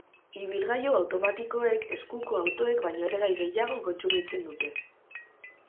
Ibilgailu automatikoek eskuko autoek baino erregai gehiago kontsumitzen dute.